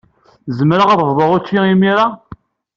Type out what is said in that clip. Zemreɣ ad bduɣ ucci imir-a?